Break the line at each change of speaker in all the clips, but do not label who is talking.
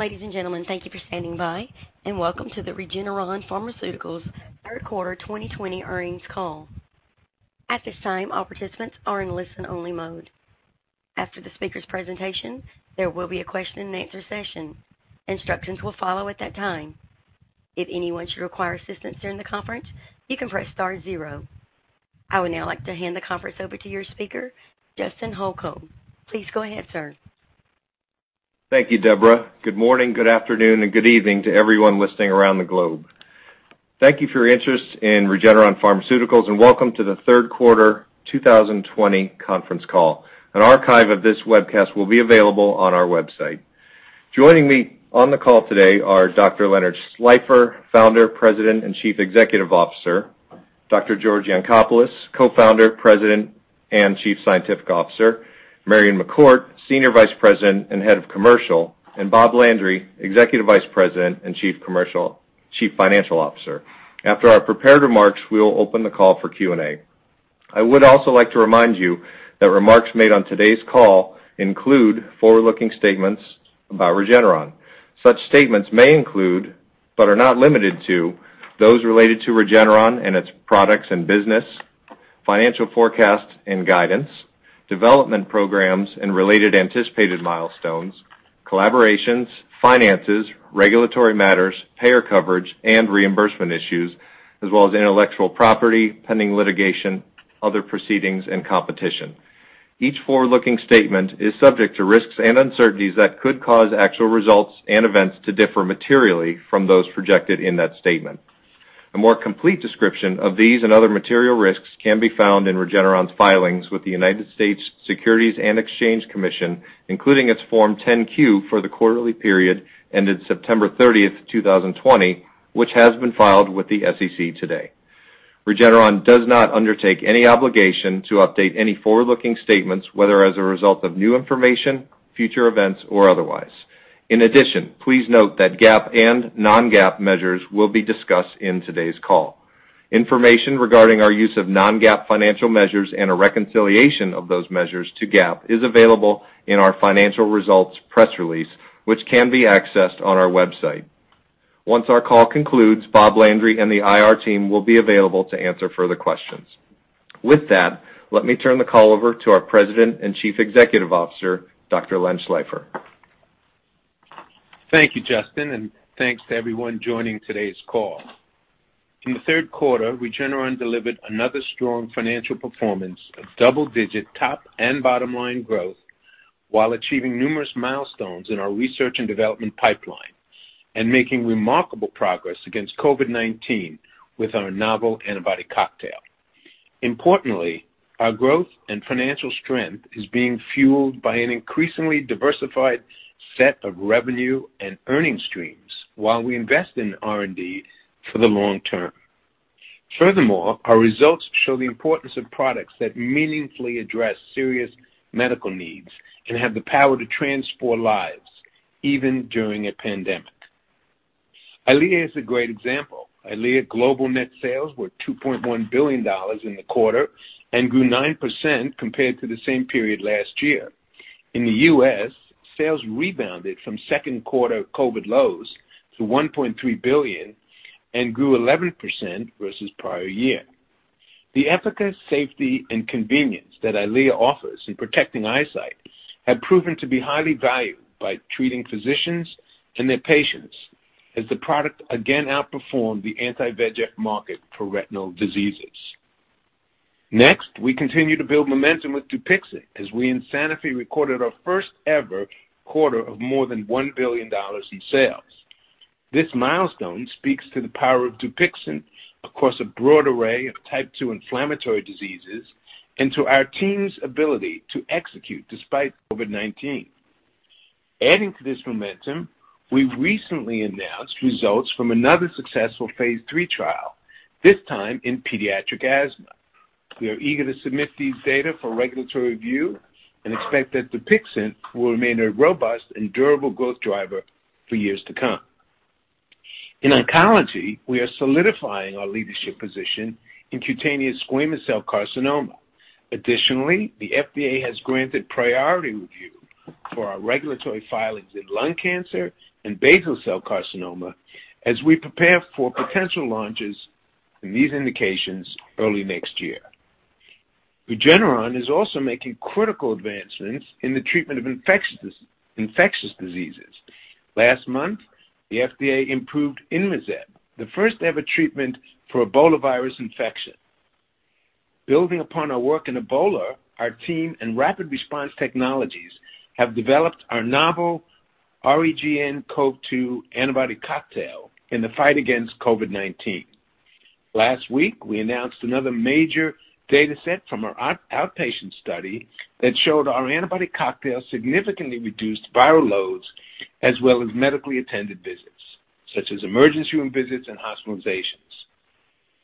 Ladies and gentlemen, thank you for standing by, and welcome to the Regeneron Pharmaceuticals third quarter 2020 earnings call. At this time, all participants are in listen-only mode. After the speakers' presentation, there will be a question and answer session. Instructions will follow at that time. If anyone should require assistance during the conference, you can press star zero. I would now like to hand the conference over to your speaker, Justin Holko. Please go ahead, sir.
Thank you, Deborah. Good morning, good afternoon, and good evening to everyone listening around the globe. Thank you for your interest in Regeneron Pharmaceuticals. Welcome to the third quarter 2020 conference call. An archive of this webcast will be available on our website. Joining me on the call today are Dr. Leonard Schleifer, Founder, President, and Chief Executive Officer, Dr. George Yancopoulos, Co-Founder, President, and Chief Scientific Officer, Marion McCourt, Senior Vice President and Head of Commercial, and Bob Landry, Executive Vice President and Chief Financial Officer. After our prepared remarks, we will open the call for Q&A. I would also like to remind you that remarks made on today's call include forward-looking statements about Regeneron. Such statements may include, but are not limited to, those related to Regeneron and its products and business, financial forecasts and guidance, development programs and related anticipated milestones, collaborations, finances, regulatory matters, payer coverage, and reimbursement issues, as well as intellectual property, pending litigation, other proceedings, and competition. Each forward-looking statement is subject to risks and uncertainties that could cause actual results and events to differ materially from those projected in that statement. A more complete description of these and other material risks can be found in Regeneron's filings with the United States Securities and Exchange Commission, including its Form 10-Q for the quarterly period ended September 30th, 2020, which has been filed with the SEC today. Regeneron does not undertake any obligation to update any forward-looking statements, whether as a result of new information, future events, or otherwise. In addition, please note that GAAP and non-GAAP measures will be discussed in today's call. Information regarding our use of non-GAAP financial measures and a reconciliation of those measures to GAAP is available in our financial results press release, which can be accessed on our website. Once our call concludes, Bob Landry and the IR team will be available to answer further questions. With that, let me turn the call over to our President and Chief Executive Officer, Dr. Len Schleifer.
Thank you, Justin. Thanks to everyone joining today's call. In the third quarter, Regeneron delivered another strong financial performance of double-digit top and bottom-line growth while achieving numerous milestones in our research and development pipeline and making remarkable progress against COVID-19 with our novel antibody cocktail. Importantly, our growth and financial strength is being fueled by an increasingly diversified set of revenue and earning streams while we invest in R&D for the long term. Furthermore, our results show the importance of products that meaningfully address serious medical needs and have the power to transform lives even during a pandemic. EYLEA is a great example. EYLEA global net sales were $2.1 billion in the quarter and grew 9% compared to the same period last year. In the U.S., sales rebounded from second quarter COVID lows to $1.3 billion and grew 11% versus prior year. The efficacy, safety, and convenience that EYLEA offers in protecting eyesight have proven to be highly valued by treating physicians and their patients as the product again outperformed the anti-VEGF market for retinal diseases. Next, we continue to build momentum with DUPIXENT as we, in Sanofi, recorded our first ever quarter of more than $1 billion in sales. This milestone speaks to the power of DUPIXENT across a broad array of type 2 inflammatory diseases and to our team's ability to execute despite COVID-19. Adding to this momentum, we recently announced results from another successful phase III trial, this time in pediatric asthma. We are eager to submit these data for regulatory review and expect that DUPIXENT will remain a robust and durable growth driver for years to come. In oncology, we are solidifying our leadership position in cutaneous squamous cell carcinoma. Additionally, the FDA has granted priority review for our regulatory filings in lung cancer and basal cell carcinoma as we prepare for potential launches in these indications early next year. Regeneron is also making critical advancements in the treatment of infectious diseases. Last month, the FDA approved INMAZEB, the first-ever treatment for Ebola virus infection. Building upon our work in Ebola, our team and rapid response technologies have developed our novel REGEN-COV antibody cocktail in the fight against COVID-19. Last week, we announced another major dataset from our outpatient study that showed our antibody cocktail significantly reduced viral loads as well as medically attended visits, such as emergency room visits and hospitalizations.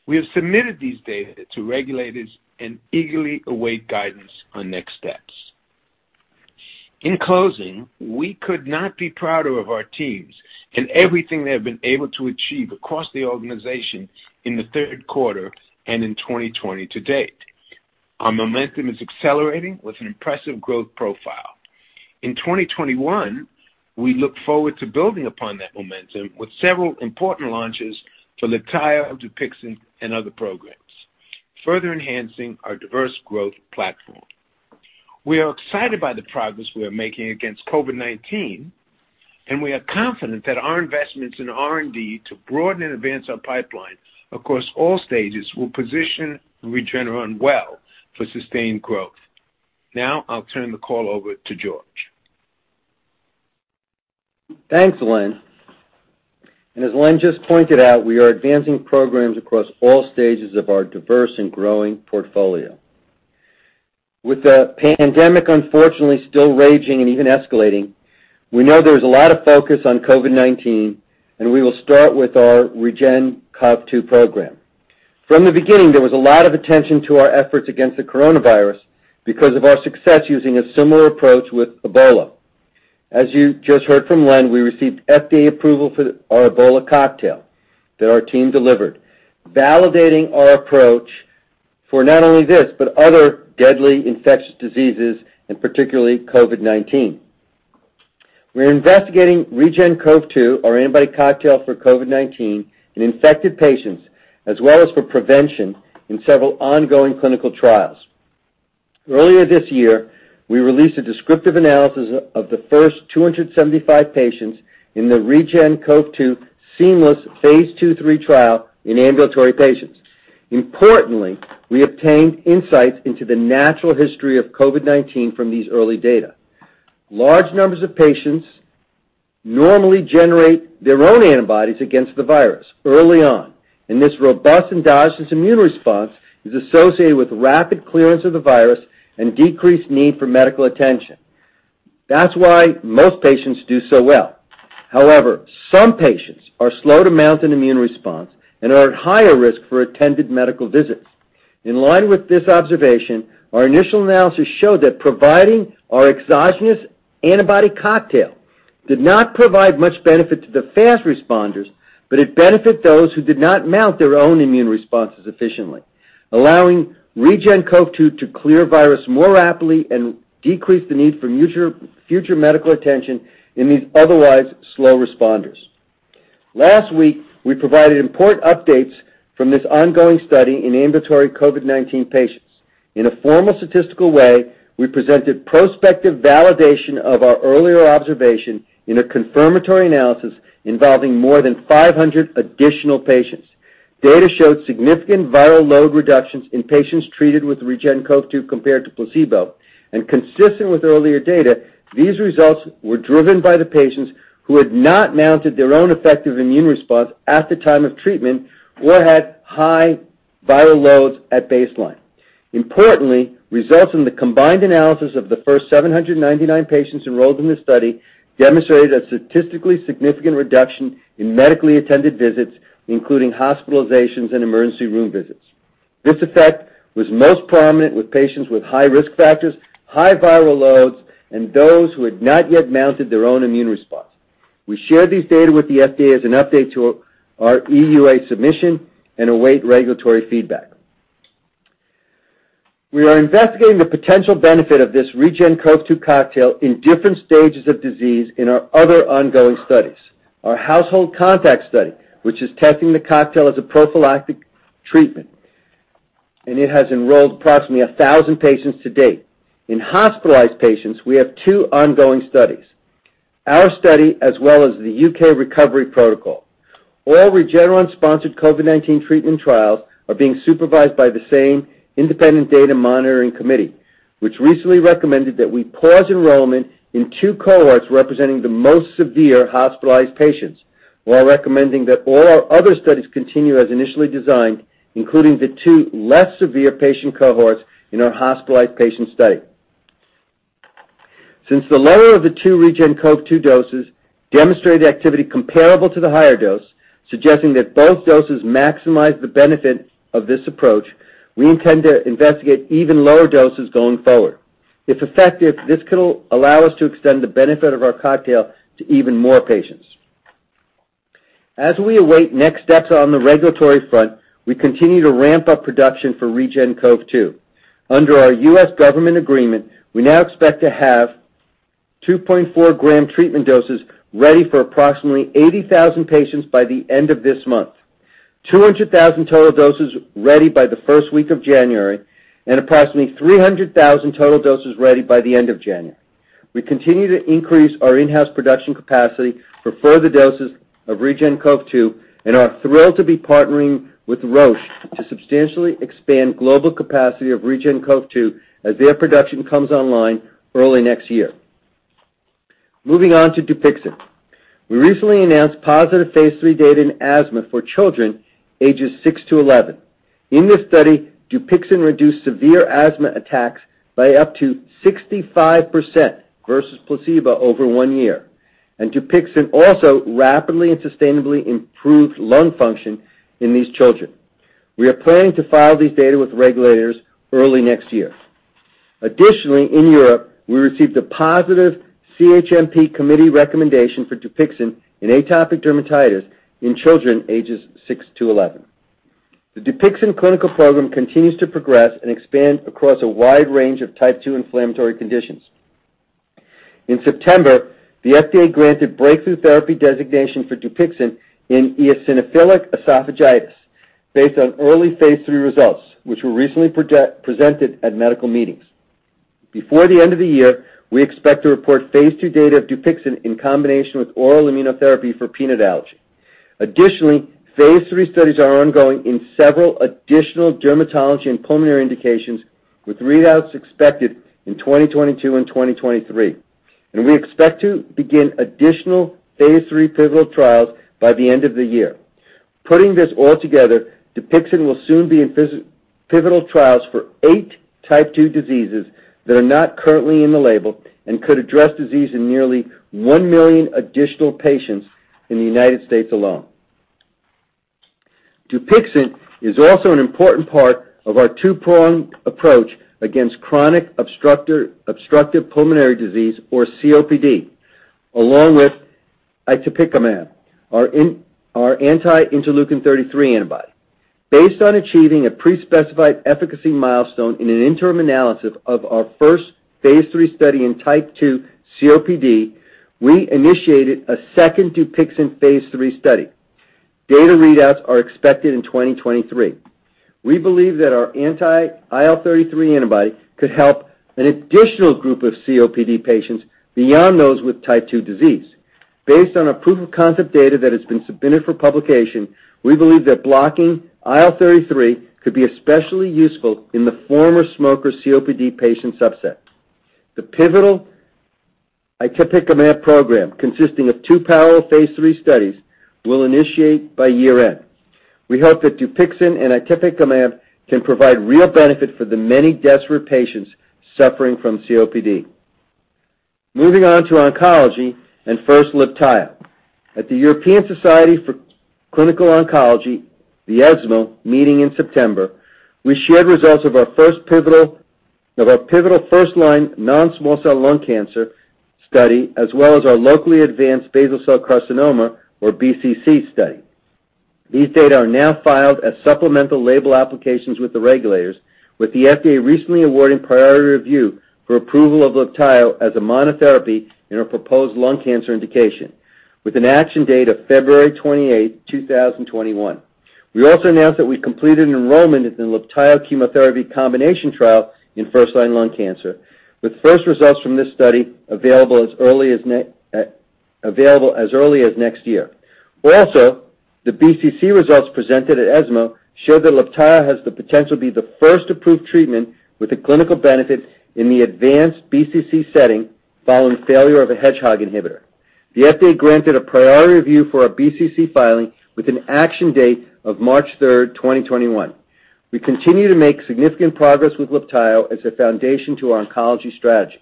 We have submitted these data to regulators and eagerly await guidance on next steps. In closing, we could not be prouder of our teams and everything they have been able to achieve across the organization in the third quarter and in 2020 to date. Our momentum is accelerating with an impressive growth profile. In 2021, we look forward to building upon that momentum with several important launches for Letair, DUPIXENT, and other programs, further enhancing our diverse growth platform. We are excited by the progress we are making against COVID-19, and we are confident that our investments in R&D to broaden and advance our pipeline across all stages will position Regeneron well for sustained growth. Now, I'll turn the call over to George.
Thanks, Len. As Len just pointed out, we are advancing programs across all stages of our diverse and growing portfolio. With the pandemic unfortunately still raging and even escalating, we know there's a lot of focus on COVID-19. We will start with our REGEN-COV2 program. From the beginning, there was a lot of attention to our efforts against the coronavirus because of our success using a similar approach with Ebola. As you just heard from Len, we received FDA approval for our Ebola cocktail that our team delivered, validating our approach for not only this, but other deadly infectious diseases, and particularly COVID-19. We're investigating REGEN-COV2, our antibody cocktail for COVID-19, in infected patients, as well as for prevention in several ongoing clinical trials. Earlier this year, we released a descriptive analysis of the first 275 patients in the REGEN-COV2 seamless phase II/III trial in ambulatory patients. Importantly, we obtained insights into the natural history of COVID-19 from these early data. Large numbers of patients normally generate their own antibodies against the virus early on, and this robust endogenous immune response is associated with rapid clearance of the virus and decreased need for medical attention. That's why most patients do so well. Some patients are slow to mount an immune response and are at higher risk for attended medical visits. In line with this observation, our initial analysis showed that providing our exogenous antibody cocktail did not provide much benefit to the fast responders, but it benefited those who did not mount their own immune responses efficiently, allowing REGEN-COV to clear virus more rapidly and decrease the need for future medical attention in these otherwise slow responders. Last week, we provided important updates from this ongoing study in ambulatory COVID-19 patients. In a formal statistical way, we presented prospective validation of our earlier observation in a confirmatory analysis involving more than 500 additional patients. Data showed significant viral load reductions in patients treated with REGEN-COV compared to placebo. Consistent with earlier data, these results were driven by the patients who had not mounted their own effective immune response at the time of treatment or had high viral loads at baseline. Importantly, results in the combined analysis of the first 799 patients enrolled in this study demonstrated a statistically significant reduction in medically attended visits, including hospitalizations and emergency room visits. This effect was most prominent with patients with high risk factors, high viral loads, and those who had not yet mounted their own immune response. We shared these data with the FDA as an update to our EUA submission and await regulatory feedback. We are investigating the potential benefit of this REGEN-COV2 cocktail in different stages of disease in our other ongoing studies. Our household contact study, which is testing the cocktail as a prophylactic treatment, it has enrolled approximately 1,000 patients to date. In hospitalized patients, we have two ongoing studies, our study, as well as the U.K. RECOVERY protocol. All Regeneron-sponsored COVID-19 treatment trials are being supervised by the same independent data monitoring committee, which recently recommended that we pause enrollment in two cohorts representing the most severe hospitalized patients while recommending that all our other studies continue as initially designed, including the two less severe patient cohorts in our hospitalized patient study. Since the lower of the two REGEN-COV2 doses demonstrated activity comparable to the higher dose, suggesting that both doses maximize the benefit of this approach, we intend to investigate even lower doses going forward. If effective, this could allow us to extend the benefit of our cocktail to even more patients. As we await next steps on the regulatory front, we continue to ramp up production for REGEN-COV. Under our U.S. government agreement, we now expect to have 2.4 g treatment doses ready for approximately 80,000 patients by the end of this month, 200,000 total doses ready by the first week of January, and approximately 300,000 total doses ready by the end of January. We continue to increase our in-house production capacity for further doses of REGEN-COV and are thrilled to be partnering with Roche to substantially expand global capacity of REGEN-COV as their production comes online early next year. Moving on to DUPIXENT. We recently announced positive phase III data in asthma for children ages six to 11. In this study, DUPIXENT reduced severe asthma attacks by up to 65% versus placebo over one year, and DUPIXENT also rapidly and sustainably improved lung function in these children. We are planning to file these data with regulators early next year. In Europe, we received a positive CHMP committee recommendation for DUPIXENT in atopic dermatitis in children ages 6 to 11. The DUPIXENT clinical program continues to progress and expand across a wide range of type 2 inflammatory conditions. In September, the FDA granted breakthrough therapy designation for DUPIXENT in eosinophilic esophagitis based on early phase III results, which were recently presented at medical meetings. Before the end of the year, we expect to report phase II data of DUPIXENT in combination with oral immunotherapy for peanut allergy. Phase III studies are ongoing in several additional dermatology and pulmonary indications, with readouts expected in 2022 and 2023. We expect to begin additional phase III pivotal trials by the end of the year. Putting this all together, DUPIXENT will soon be in pivotal trials for eight type 2 diseases that are not currently in the label and could address disease in nearly 1 million additional patients in the U.S. alone. DUPIXENT is also an important part of our two-pronged approach against chronic obstructive pulmonary disease, or COPD, along with itepekimab, our anti-interleukin-33 antibody. Based on achieving a pre-specified efficacy milestone in an interim analysis of our first phase III study in type 2 COPD, we initiated a second DUPIXENT phase III study. Data readouts are expected in 2023. We believe that our anti-IL-33 antibody could help an additional group of COPD patients beyond those with type 2 disease. Based on our proof of concept data that has been submitted for publication, we believe that blocking IL-33 could be especially useful in the former smoker COPD patient subset. The pivotal itepekimab program, consisting of two parallel phase III studies, will initiate by year-end. We hope that DUPIXENT and itepekimab can provide real benefit for the many desperate patients suffering from COPD. Moving on to oncology and first LIBTAYO. At the European Society for Medical Oncology, the ESMO meeting in September, we shared results of our pivotal first-line non-small cell lung cancer study, as well as our locally advanced basal cell carcinoma, or BCC study. These data are now filed as supplemental label applications with the regulators, with the FDA recently awarding priority review for approval of LIBTAYO as a monotherapy in our proposed lung cancer indication with an action date of February 28, 2021. We also announced that we completed an enrollment in the LIBTAYO chemotherapy combination trial in first-line lung cancer, with first results from this study available as early as next year. Also, the BCC results presented at ESMO show that LIBTAYO has the potential to be the first approved treatment with a clinical benefit in the advanced BCC setting following failure of a Hedgehog inhibitor. The FDA granted a priority review for our BCC filing with an action date of March 3rd, 2021. We continue to make significant progress with LIBTAYO as a foundation to our oncology strategy.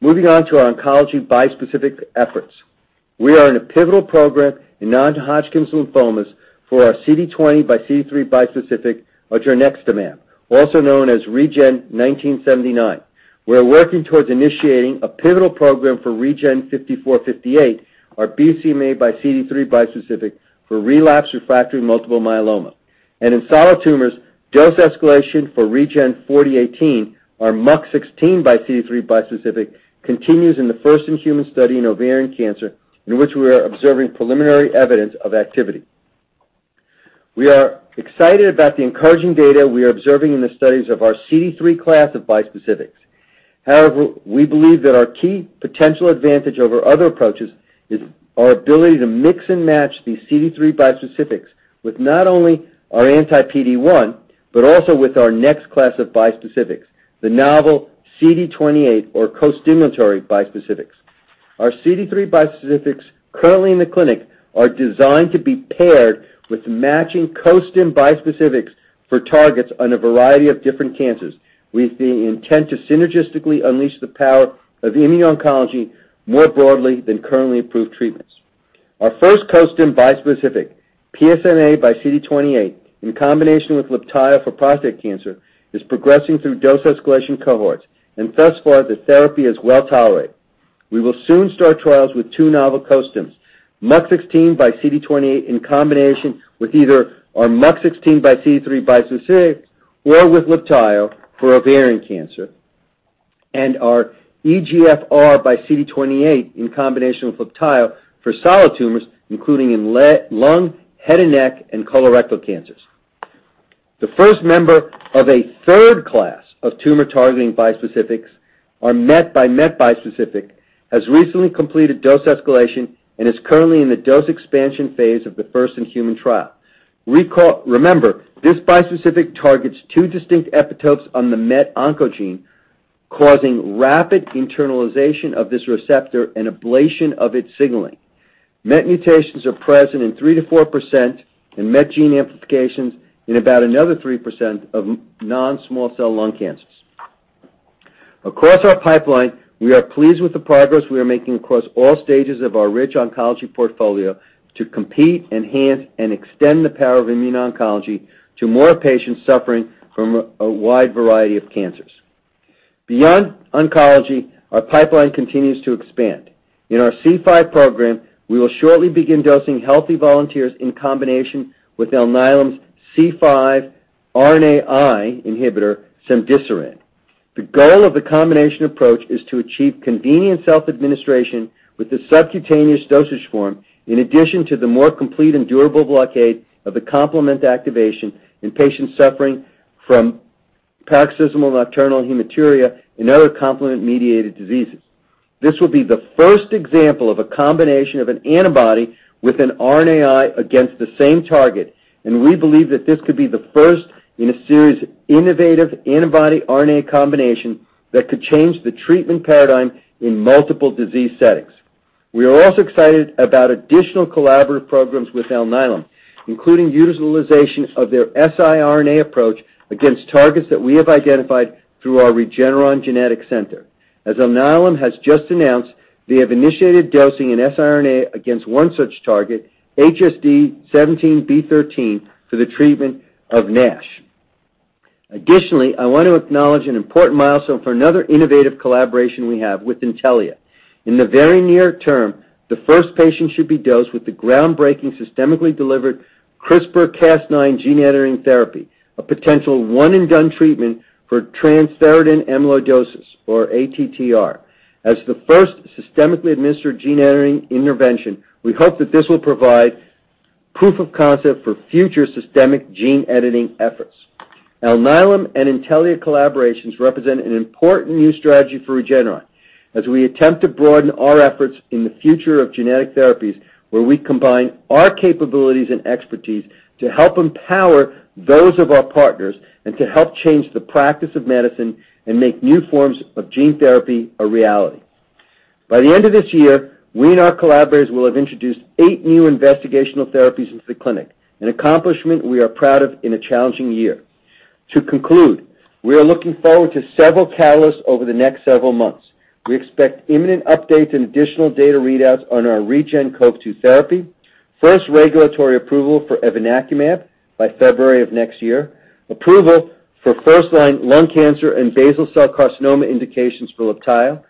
Moving on to our oncology bispecific efforts. We are in a pivotal program in non-Hodgkin's lymphomas for our CD20 by CD3 bispecific, odronextamab, also known as REGN1979. We're working towards initiating a pivotal program for REGN5458, our BCMA by CD3 bispecific for relapsed refractory multiple myeloma. In solid tumors, dose escalation for REGN4018, our MUC16 by CD3 bispecific, continues in the first-in-human study in ovarian cancer, in which we are observing preliminary evidence of activity. We are excited about the encouraging data we are observing in the studies of our CD3 class of bispecifics. However, we believe that our key potential advantage over other approaches is our ability to mix and match these CD3 bispecifics with not only our anti-PD-1, but also with our next class of bispecifics, the novel CD28 or costimulatory bispecifics. Our CD3 bispecifics currently in the clinic are designed to be paired with matching costim bispecifics for targets on a variety of different cancers, with the intent to synergistically unleash the power of immune oncology more broadly than currently approved treatments. Our first costim bispecific, PSMA by CD28, in combination with LIBTAYO for prostate cancer, is progressing through dose escalation cohorts, and thus far, the therapy is well-tolerated. We will soon start trials with two novel costims, MUC16 by CD28 in combination with either our MUC16 by CD3 bispecific or with LIBTAYO for ovarian cancer, and our EGFR by CD28 in combination with LIBTAYO for solid tumors, including in lung, head and neck, and colorectal cancers. The first member of a third class of tumor-targeting bispecifics, our MET by MET bispecific, has recently completed dose escalation and is currently in the dose expansion phase of the first-in-human trial. Remember, this bispecific targets two distinct epitopes on the MET oncogene, causing rapid internalization of this receptor and ablation of its signaling. MET mutations are present in 3%-4%, and MET gene amplifications in about another 3% of non-small cell lung cancers. Across our pipeline, we are pleased with the progress we are making across all stages of our rich oncology portfolio to compete, enhance, and extend the power of immuno-oncology to more patients suffering from a wide variety of cancers. Beyond oncology, our pipeline continues to expand. In our C5 program, we will shortly begin dosing healthy volunteers in combination with Alnylam's C5 RNAi inhibitor, cemdisiran. The goal of the combination approach is to achieve convenient self-administration with the subcutaneous dosage form, in addition to the more complete and durable blockade of the complement activation in patients suffering from paroxysmal nocturnal hemoglobinuria and other complement-mediated diseases. This will be the first example of a combination of an antibody with an RNAi against the same target, and we believe that this could be the first in a series of innovative antibody RNA combinations that could change the treatment paradigm in multiple disease settings. We are also excited about additional collaborative programs with Alnylam, including utilization of their siRNA approach against targets that we have identified through our Regeneron Genetics Center. As Alnylam has just announced, they have initiated dosing an siRNA against one such target, HSD17B13, for the treatment of NASH. Additionally, I want to acknowledge an important milestone for another innovative collaboration we have with Intellia. In the very near term, the first patient should be dosed with the groundbreaking systemically delivered CRISPR-Cas9 gene-editing therapy, a potential one-and-done treatment for transthyretin amyloidosis, or ATTR. As the first systemically administered gene-editing intervention, we hope that this will provide proof of concept for future systemic gene-editing efforts. Alnylam and Intellia collaborations represent an important new strategy for Regeneron as we attempt to broaden our efforts in the future of genetic therapies, where we combine our capabilities and expertise to help empower those of our partners and to help change the practice of medicine and make new forms of gene therapy a reality. By the end of this year, we and our collaborators will have introduced eight new investigational therapies into the clinic, an accomplishment we are proud of in a challenging year. To conclude, we are looking forward to several catalysts over the next several months. We expect imminent updates and additional data readouts on our REGEN-COV2 therapy, first regulatory approval for evinacumab by February of next year, approval for first-line lung cancer and basal cell carcinoma indications for LIBTAYO,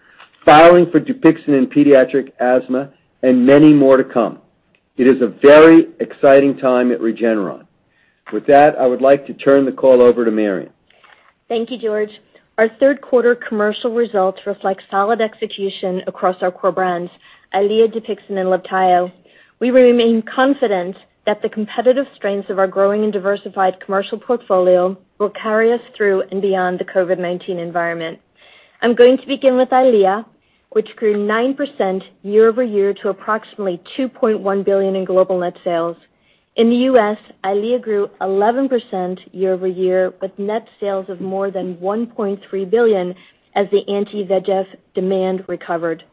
filing for DUPIXENT in pediatric asthma, and many more to come. It is a very exciting time at Regeneron. With that, I would like to turn the call over to Marion.
Thank you, George. Our third quarter commercial results reflect solid execution across our core brands, EYLEA, DUPIXENT, and LIBTAYO. We remain confident that the competitive strengths of our growing and diversified commercial portfolio will carry us through and beyond the COVID-19 environment. I'm going to begin with EYLEA, which grew 9% year-over-year to approximately $2.1 billion in global net sales. In the U.S., EYLEA grew 11% year-over-year with net sales of more than $1.3 billion as the anti-VEGF demand recovered.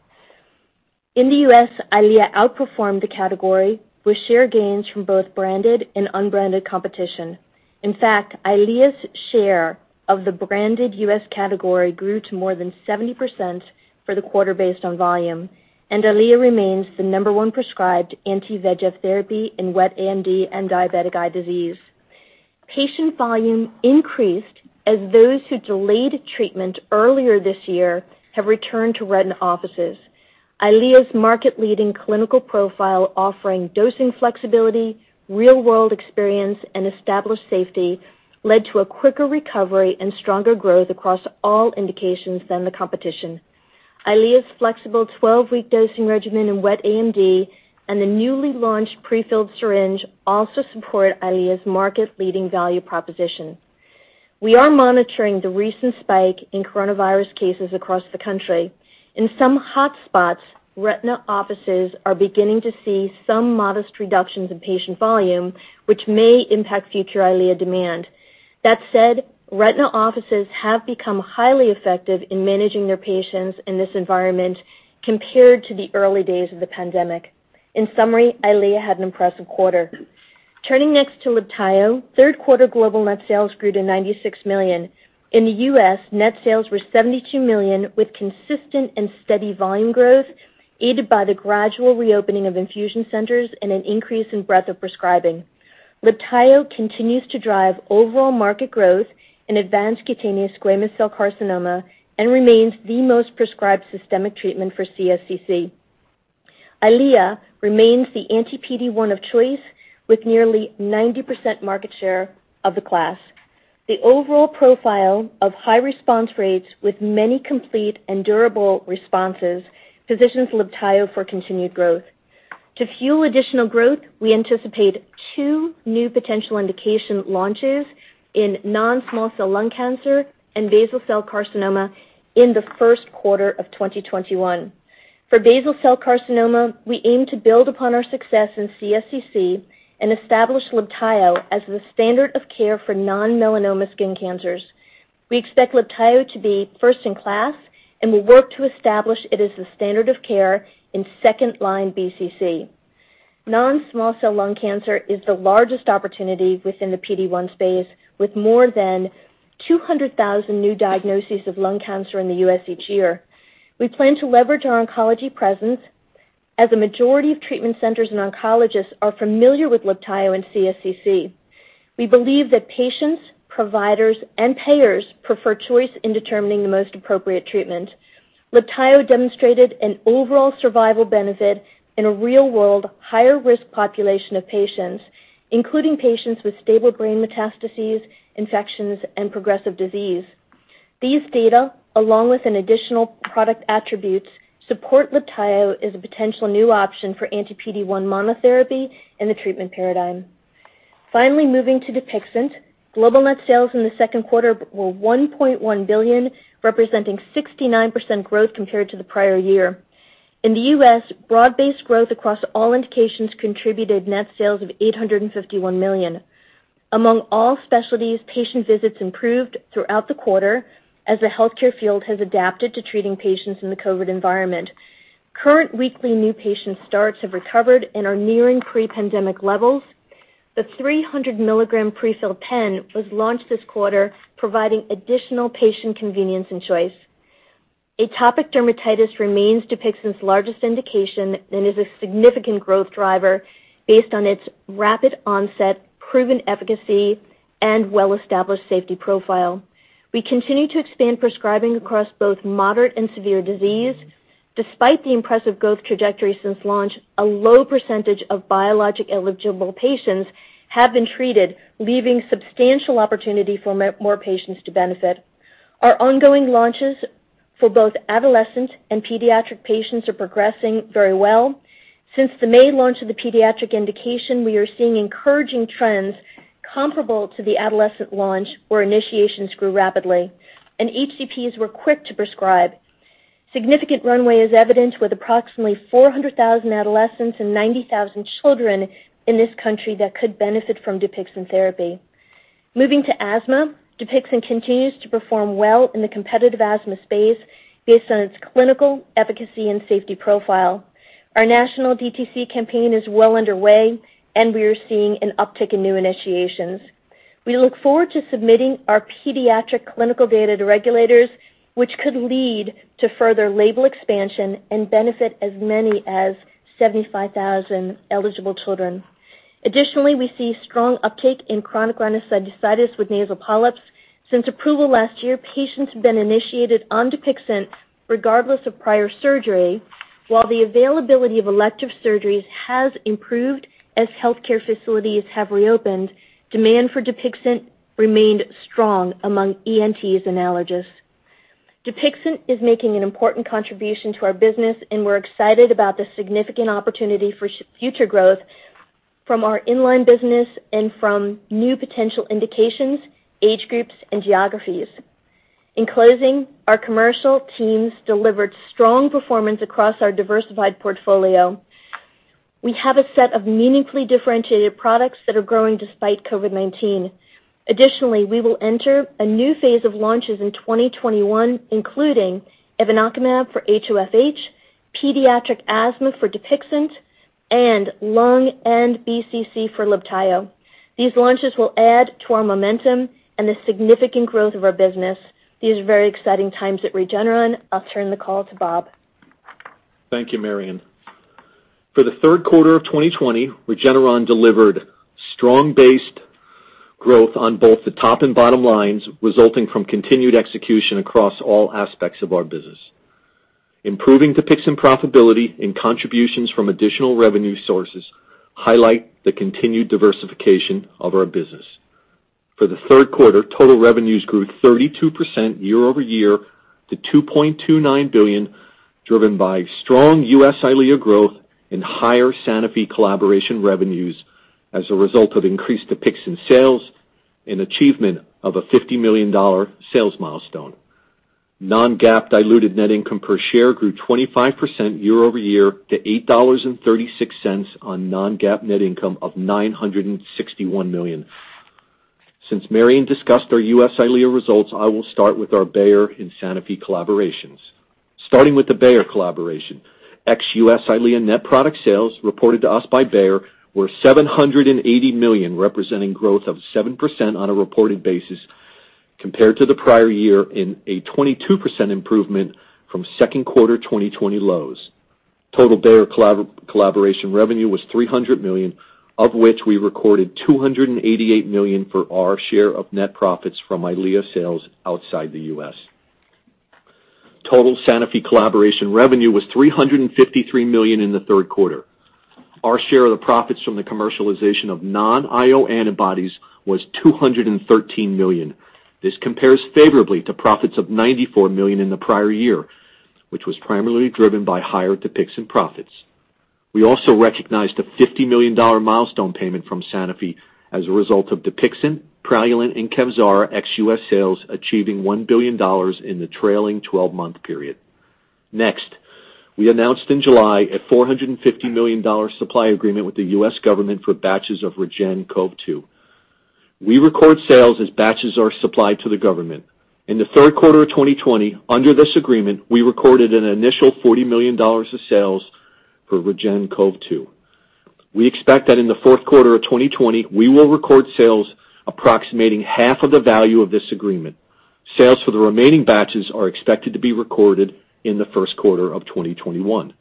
In the U.S., EYLEA outperformed the category with share gains from both branded and unbranded competition. In fact, EYLEA's share of the branded U.S. category grew to more than 70% for the quarter based on volume, and EYLEA remains the number one prescribed anti-VEGF therapy in wet AMD and diabetic eye disease. Patient volume increased as those who delayed treatment earlier this year have returned to retina offices. EYLEA's market-leading clinical profile offering dosing flexibility, real-world experience, and established safety led to a quicker recovery and stronger growth across all indications than the competition. EYLEA's flexible 12-week dosing regimen in wet AMD and the newly launched pre-filled syringe also support EYLEA's market-leading value proposition. We are monitoring the recent spike in coronavirus cases across the country. In some hotspots, retina offices are beginning to see some modest reductions in patient volume, which may impact future Eylea demand. That said, retina offices have become highly effective in managing their patients in this environment compared to the early days of the pandemic. In summary, Eylea had an impressive quarter. Turning next to LIBTAYO, third-quarter global net sales grew to $96 million. In the U.S., net sales were $72 million, with consistent and steady volume growth aided by the gradual reopening of infusion centers and an increase in breadth of prescribing. LIBTAYO continues to drive overall market growth in advanced cutaneous squamous cell carcinoma and remains the most prescribed systemic treatment for CSCC. EYLEA remains the anti-PD-1 of choice with nearly 90% market share of the class. The overall profile of high response rates with many complete and durable responses positions LIBTAYO for continued growth. To fuel additional growth, we anticipate two new potential indication launches in non-small cell lung cancer and basal cell carcinoma in the first quarter of 2021. For basal cell carcinoma, we aim to build upon our success in CSCC and establish LIBTAYO as the standard of care for non-melanoma skin cancers. We expect LIBTAYO to be first in class and will work to establish it as the standard of care in secondline BCC. Non-small cell lung cancer is the largest opportunity within the PD-1 space, with more than 200,000 new diagnoses of lung cancer in the U.S. each year. We plan to leverage our oncology presence. As a majority of treatment centers and oncologists are familiar with LIBTAYO and CSCC, we believe that patients, providers, and payers prefer choice in determining the most appropriate treatment. LIBTAYO demonstrated an overall survival benefit in a real-world, higher risk population of patients, including patients with stable brain metastases, infections, and progressive disease. These data, along with an additional product attributes, support LIBTAYO as a potential new option for anti-PD-1 monotherapy in the treatment paradigm. Finally, moving to DUPIXENT. Global net sales in the second quarter were $1.1 billion, representing 69% growth compared to the prior year. In the U.S., broad-based growth across all indications contributed net sales of $851 million. Among all specialties, patient visits improved throughout the quarter as the healthcare field has adapted to treating patients in the COVID environment. Current weekly new patient starts have recovered and are nearing pre-pandemic levels. The 300 milligram pre-filled pen was launched this quarter, providing additional patient convenience and choice. Atopic dermatitis remains DUPIXENT's largest indication and is a significant growth driver based on its rapid onset, proven efficacy, and well-established safety profile. We continue to expand prescribing across both moderate and severe disease. Despite the impressive growth trajectory since launch, a low percentage of biologic-eligible patients have been treated, leaving substantial opportunity for more patients to benefit. Our ongoing launches for both adolescents and pediatric patients are progressing very well. Since the May launch of the pediatric indication, we are seeing encouraging trends comparable to the adolescent launch where initiations grew rapidly, and HCPs were quick to prescribe. Significant runway is evident with approximately 400,000 adolescents and 90,000 children in this country that could benefit from DUPIXENT therapy. Moving to asthma, DUPIXENT continues to perform well in the competitive asthma space based on its clinical efficacy and safety profile. Our national DTC campaign is well underway, and we are seeing an uptick in new initiations. We look forward to submitting our pediatric clinical data to regulators, which could lead to further label expansion and benefit as many as 75,000 eligible children. Additionally, we see strong uptick in chronic rhinosinusitis with nasal polyps. Since approval last year, patients have been initiated on DUPIXENT regardless of prior surgery. While the availability of elective surgeries has improved as healthcare facilities have reopened, demand for DUPIXENT remained strong among ENTs and allergists. DUPIXENT is making an important contribution to our business, and we're excited about the significant opportunity for future growth from our in-line business and from new potential indications, age groups, and geographies. In closing, our commercial teams delivered strong performance across our diversified portfolio. We have a set of meaningfully differentiated products that are growing despite COVID-19. Additionally, we will enter a new phase of launches in 2021, including evinacumab for HoFH, pediatric asthma for DUPIXENT, and lung and BCC for LIBTAYO. These launches will add to our momentum and the significant growth of our business. These are very exciting times at Regeneron. I'll turn the call to Bob.
Thank you, Marion. For the third quarter of 2020, Regeneron delivered strong base growth on both the top and bottom lines, resulting from continued execution across all aspects of our business. Improving DUPIXENT profitability and contributions from additional revenue sources highlight the continued diversification of our business. For the third quarter, total revenues grew 32% year-over-year to $2.29 billion, driven by strong U.S. EYLEA growth and higher Sanofi collaboration revenues as a result of increased DUPIXENT sales and achievement of a $50 million sales milestone. Non-GAAP diluted net income per share grew 25% year-over-year to $8.36 on non-GAAP net income of $961 million. Since Marion discussed our U.S. EYLEA results, I will start with our Bayer and Sanofi collaborations. Starting with the Bayer collaboration, ex-U.S. EYLEA net product sales reported to us by Bayer were $780 million, representing growth of 7% on a reported basis compared to the prior year in a 22% improvement from second quarter 2020 lows. Total Bayer collaboration revenue was $300 million, of which we recorded $288 million for our share of net profits from EYLEA sales outside the U.S. Total Sanofi collaboration revenue was $353 million in the third quarter. Our share of the profits from the commercialization of non-IO antibodies was $213 million. This compares favorably to profits of $94 million in the prior year, which was primarily driven by higher DUPIXENT profits. We also recognized a $50 million milestone payment from Sanofi as a result of DUPIXENT, PRALUENT, and KEVZARA ex-U.S. sales achieving $1 billion in the trailing 12-month period. Next, we announced in July a $450 million supply agreement with the U.S. government for batches of REGEN-COV2. We record sales as batches are supplied to the government. In the third quarter of 2020, under this agreement, we recorded an initial $40 million of sales for REGEN-COV2. We expect that in the fourth quarter of 2020, we will record sales approximating half of the value of this agreement. Sales for the remaining batches are expected to be recorded in the first quarter of 2021.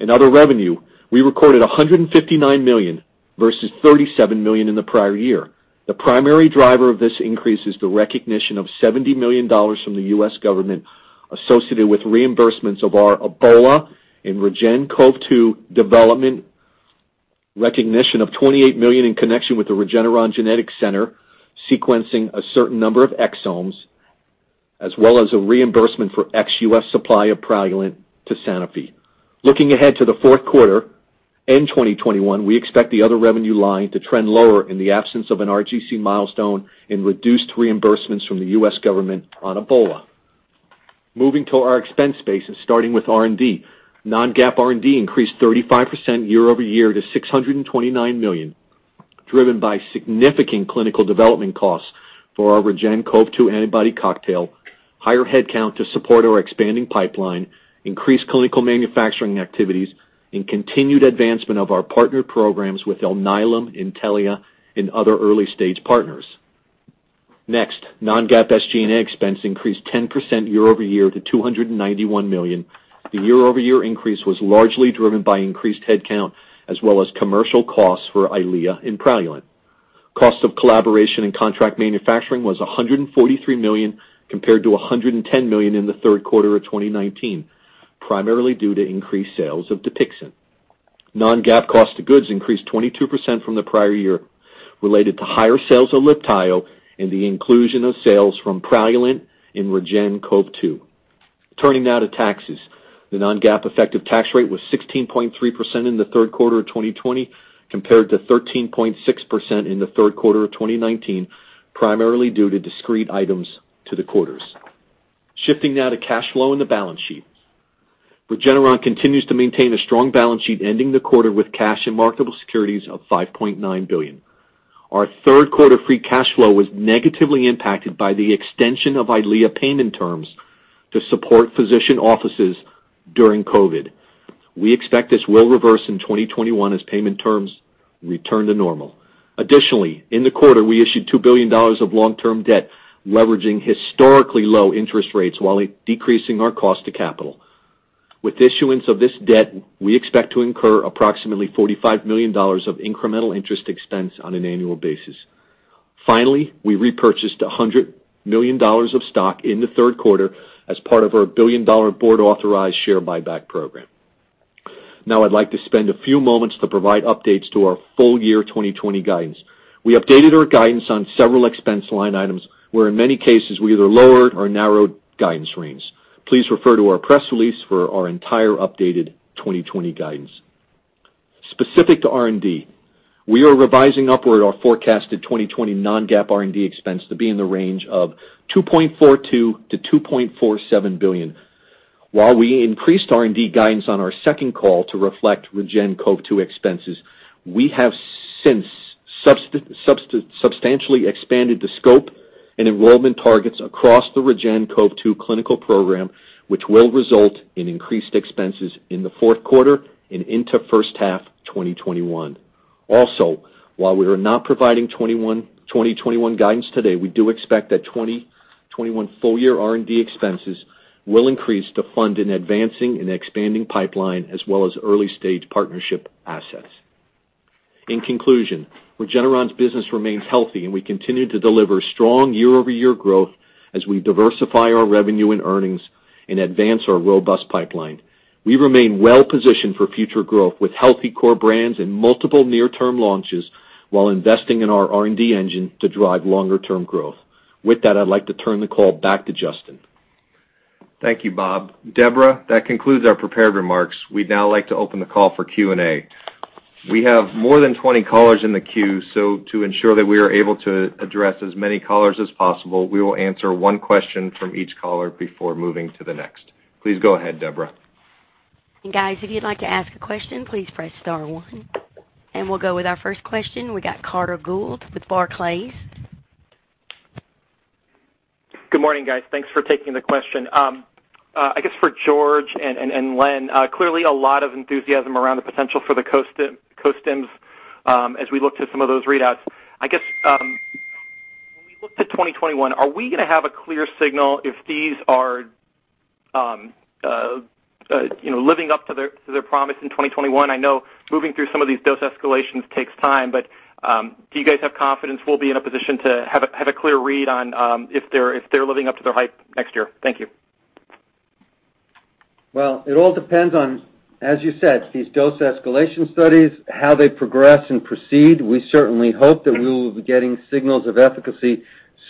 In other revenue, we recorded $159 million versus $37 million in the prior year. The primary driver of this increase is the recognition of $70 million from the U.S. government associated with reimbursements of our Ebola and REGEN-COV2 development, recognition of $28 million in connection with the Regeneron Genetics Center, sequencing a certain number of exomes, as well as a reimbursement for ex-U.S. supply of PRALUENT to Sanofi. Looking ahead to the fourth quarter, in 2021, we expect the other revenue line to trend lower in the absence of an RGC milestone and reduced reimbursements from the U.S. government on Ebola. Moving to our expense base and starting with R&D. Non-GAAP R&D increased 35% year-over-year to $629 million, driven by significant clinical development costs for our REGEN-COV2 antibody cocktail, higher headcount to support our expanding pipeline, increased clinical manufacturing activities, and continued advancement of our partner programs with Alnylam, Intellia, and other early-stage partners. Non-GAAP SG&A expense increased 10% year-over-year to $291 million. The year-over-year increase was largely driven by increased headcount as well as commercial costs for EYLEA and PRALUENT. Cost of collaboration and contract manufacturing was $143 million compared to $110 million in the third quarter of 2019, primarily due to increased sales of DUPIXENT. Non-GAAP cost of goods increased 22% from the prior year, related to higher sales of LIBTAYO and the inclusion of sales from PRALUENT and REGEN-COV. Turning now to taxes. The non-GAAP effective tax rate was 16.3% in the third quarter of 2020, compared to 13.6% in the third quarter of 2019, primarily due to discrete items to the quarters. Shifting now to cash flow and the balance sheet. Regeneron continues to maintain a strong balance sheet, ending the quarter with cash and marketable securities of $5.9 billion. Our third quarter free cash flow was negatively impacted by the extension of EYLEA payment terms to support physician offices during COVID. We expect this will reverse in 2021 as payment terms return to normal. Additionally, in the quarter, we issued $2 billion of long-term debt, leveraging historically low interest rates while decreasing our cost to capital. With the issuance of this debt, we expect to incur approximately $45 million of incremental interest expense on an annual basis. Finally, we repurchased $100 million of stock in the third quarter as part of our billion-dollar board-authorized share buyback program. Now I'd like to spend a few moments to provide updates to our full year 2020 guidance. We updated our guidance on several expense line items, where in many cases, we either lowered or narrowed guidance ranges. Please refer to our press release for our entire updated 2020 guidance. Specific to R&D, we are revising upward our forecasted 2020 non-GAAP R&D expense to be in the range of $2.42 billion-$2.47 billion. While we increased R&D guidance on our second call to reflect REGEN-COV2 expenses, we have since substantially expanded the scope and enrollment targets across the REGEN-COV2 clinical program, which will result in increased expenses in the fourth quarter and into first half 2021. While we are not providing 2021 guidance today, we do expect that 2021 full-year R&D expenses will increase to fund an advancing and expanding pipeline as well as early-stage partnership assets. In conclusion, Regeneron's business remains healthy, and we continue to deliver strong year-over-year growth as we diversify our revenue and earnings and advance our robust pipeline. We remain well-positioned for future growth with healthy core brands and multiple near-term launches while investing in our R&D engine to drive longer-term growth. With that, I'd like to turn the call back to Justin.
Thank you, Bob. Deborah, that concludes our prepared remarks. We'd now like to open the call for Q&A. We have more than 20 callers in the queue, so to ensure that we are able to address as many callers as possible, we will answer one question from each caller before moving to the next. Please go ahead, Deborah.
Guys, if you'd like to ask a question, please press star one. We'll go with our first question. We got Carter Gould with Barclays.
Good morning, guys. Thanks for taking the question. For George and Len, clearly a lot of enthusiasm around the potential for the costims as we looked at some of those readouts. When we look to 2021, are we going to have a clear signal if these are living up to their promise in 2021? I know moving through some of these dose escalations takes time, do you guys have confidence we'll be in a position to have a clear read on if they're living up to their hype next year? Thank you.
Well, it all depends on, as you said, these dose escalation studies, how they progress and proceed. We certainly hope that we will be getting signals of efficacy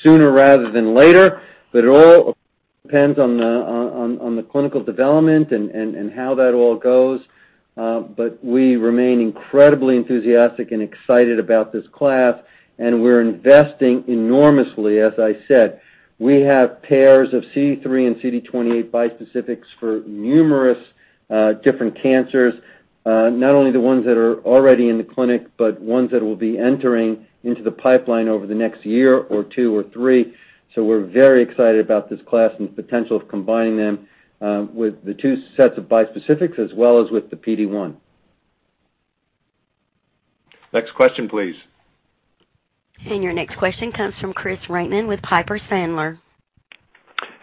sooner rather than later. It all depends on the clinical development and how that all goes. We remain incredibly enthusiastic and excited about this class, and we're investing enormously. As I said, we have pairs of CD3 and CD28 bispecifics for numerous different cancers. Not only the ones that are already in the clinic, but ones that will be entering into the pipeline over the next year or two or three. We're very excited about this class and the potential of combining them with the two sets of bispecifics as well as with the PD-1.
Next question, please.
Your next question comes from Chris Raymond with Piper Sandler.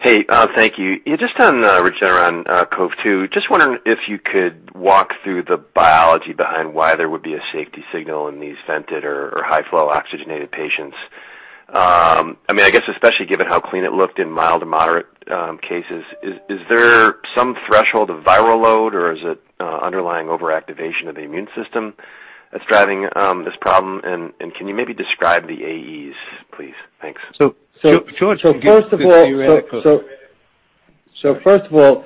Hey, thank you. Just on Regeneron COV2, just wondering if you could walk through the biology behind why there would be a safety signal in these vented or high-flow oxygenated patients. I guess especially given how clean it looked in mild or moderate cases. Is there some threshold of viral load, or is it underlying overactivation of the immune system that's driving this problem? Can you maybe describe the AEs, please? Thanks.
So-
George can give the theoretical.
First of all,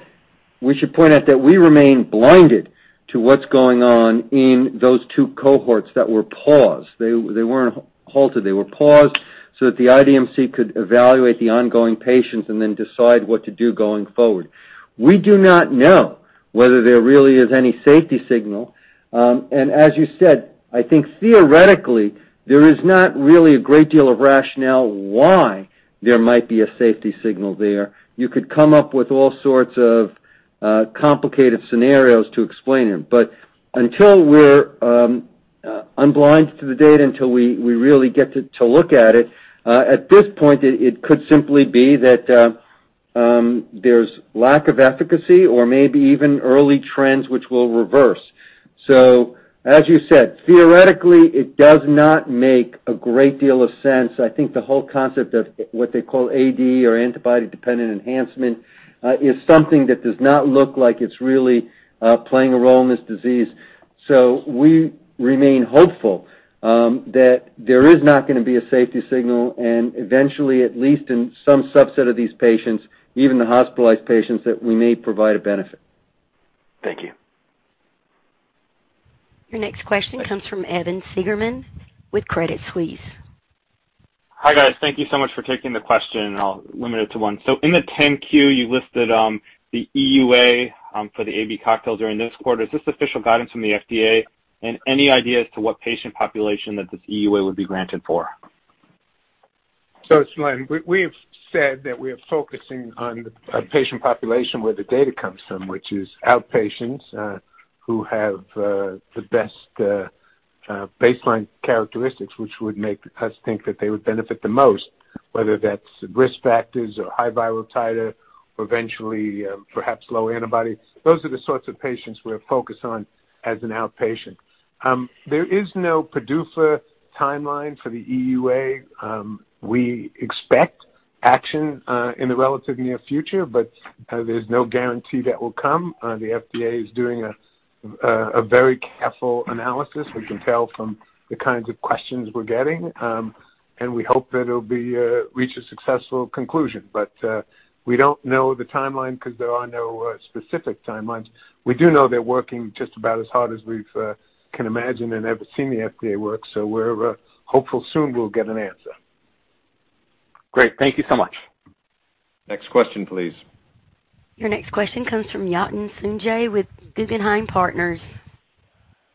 we should point out that we remain blinded to what's going on in those two cohorts that were paused. They weren't halted, they were paused so that the IDMC could evaluate the ongoing patients and then decide what to do going forward. We do not know whether there really is any safety signal. As you said, I think theoretically, there is not really a great deal of rationale why there might be a safety signal there. You could come up with all sorts of complicated scenarios to explain it, but until we're unblind to the data, until we really get to look at it, at this point, it could simply be that there's lack of efficacy or maybe even early trends which will reverse. As you said, theoretically, it does not make a great deal of sense. I think the whole concept of what they call ADE or antibody-dependent enhancement is something that does not look like it's really playing a role in this disease. We remain hopeful that there is not going to be a safety signal and eventually, at least in some subset of these patients, even the hospitalized patients, that we may provide a benefit.
Thank you.
Your next question comes from Evan Seigerman with Credit Suisse.
Hi, guys. Thank you so much for taking the question, and I'll limit it to one. In the Form 10-Q, you listed the EUA for the AB cocktail during this quarter. Is this official guidance from the FDA? Any idea as to what patient population that this EUA would be granted for?
It's Len. We have said that we are focusing on the patient population where the data comes from, which is outpatients who have the best baseline characteristics, which would make us think that they would benefit the most, whether that's risk factors or high viral titer or eventually perhaps low antibody. Those are the sorts of patients we're focused on as an outpatient. There is no PDUFA timeline for the EUA. We expect action in the relatively near future, but there's no guarantee that will come. The FDA is doing a very careful analysis, we can tell from the kinds of questions we're getting, and we hope that it'll reach a successful conclusion. We don't know the timeline because there are no specific timelines. We do know they're working just about as hard as we can imagine and ever seen the FDA work, so we're hopeful soon we'll get an answer.
Great. Thank you so much.
Next question, please.
Your next question comes from Yatin Suneja with Guggenheim Partners.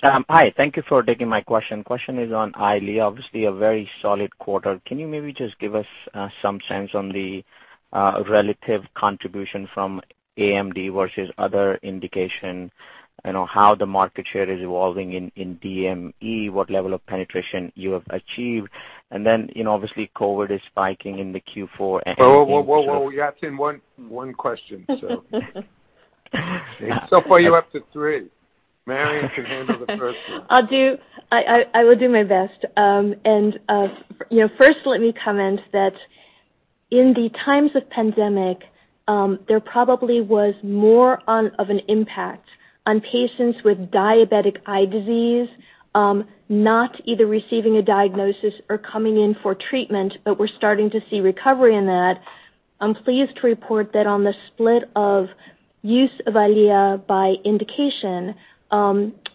Hi. Thank you for taking my question. Question is on EYLEA, obviously a very solid quarter. Can you maybe just give us some sense on the relative contribution from AMD versus other indication? How the market share is evolving in DME, what level of penetration you have achieved? Obviously COVID is spiking in the Q4.
Whoa, Yatin, one question. So far you're up to three. Marion can handle the first one.
I will do my best. First let me comment that in the times of pandemic, there probably was more of an impact on patients with diabetic eye disease, not either receiving a diagnosis or coming in for treatment. We're starting to see recovery in that. I'm pleased to report that on the split of use of EYLEA by indication,